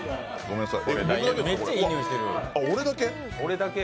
あ、俺だけ？